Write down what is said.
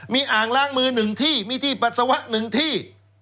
มีอ่างล้างมือ๑ที่มีที่ปัสสาวะ๑ที่